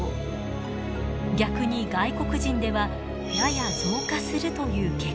逆に外国人ではやや増加するという結果に。